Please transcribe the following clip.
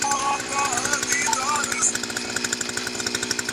কুমুদিনী বললে, তুমি বুঝবে না দাদা, একটুও ছেলেমানুষি করছি নে।